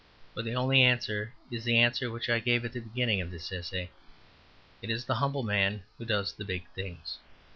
For the only answer is the answer which I gave at the beginning of this essay. It is the humble man who does the big things.